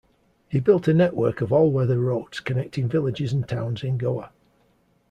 He built a network of all weather roads connecting villages and Towns in Goa.